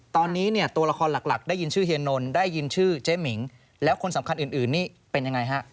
ตอนนี้เนี่ยตัวละครหลักได้ยินชื่อเฮียนนท์ได้ยินชื่อเจ๊มิงแล้วคนสำคัญอื่นนี่เป็นยังไงฮะ